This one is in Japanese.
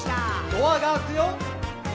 「ドアが開くよ」